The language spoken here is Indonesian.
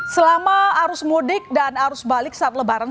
selama arus mudik dan arus balik saat lebaran